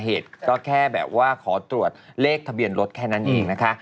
เหตุก็แค่แบบว่าขอตรวจเลขทะเบียนรถแค่นั้นเองนะคะ